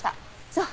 そう。